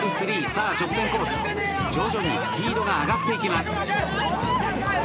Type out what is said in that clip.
さあ直線コース徐々にスピードが上がっていきます。